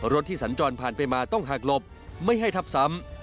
ที่สัญจรผ่านไปมาต้องหากหลบไม่ให้ทับซ้ำ